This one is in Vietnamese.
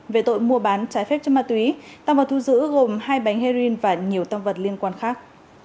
về tội mua bán trái phép cho ma túy tăng vào thu giữ gồm hai bánh heroin và nhiều tăng vật liên quan khác